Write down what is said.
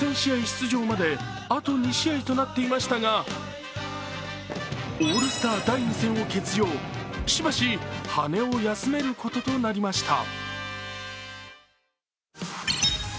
出場まであと２試合となっていましたがオールスター第２戦を欠場、しばし羽を休めることになりました。